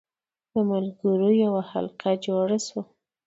د ملګرو یوه حلقه جوړه شوه.